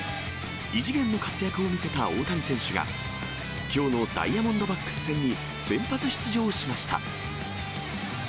異次元の活躍を見せた大谷選手が、きょうのダイヤモンドバックス戦に先発出場しました。